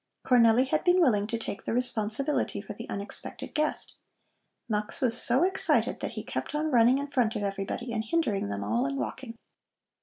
Cornelli had been willing to take the responsibility for the unexpected guest. Mux was so excited that he kept on running in front of everybody and hindering them all in walking.